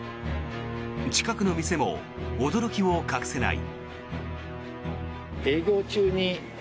近くの店も驚きを隠せない。